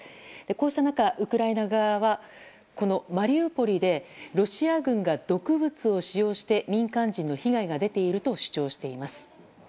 こうした中、ウクライナ側はこのマリウポリでロシア軍が毒物を使用して民間人の被害が出ていると主張しています。